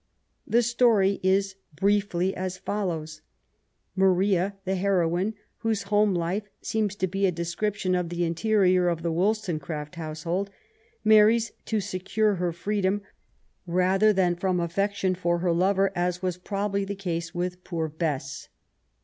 The story is, briefly, as follows : Maria, the heroine, whose home life seems to be a de scription of the interior of the Wollstonecraffc household, marries to secure her freedom, rather than from affec tion for her lover, as was probably the case with '* poor Bess."